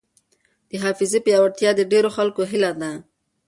د حافظې پیاوړتیا د ډېرو خلکو هیله ده.